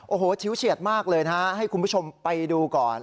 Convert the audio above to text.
โอ้โหชิวเฉียดมากเลยนะฮะให้คุณผู้ชมไปดูก่อน